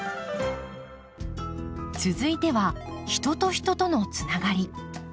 続いては人と人とのつながり。